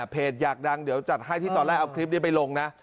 อยากดังเดี๋ยวจัดให้ที่ตอนแรกเอาคลิปนี้ไปลงนะ